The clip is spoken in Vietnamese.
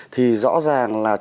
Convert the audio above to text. thì rõ ràng là